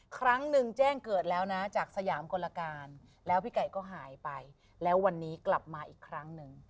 ครั้งหนึ่งแจ้งเกิดแล้วนะจากสยามกลการแล้วพี่ไก่ก็หายไปแล้ววันนี้กลับมาอีกครั้งหนึ่ง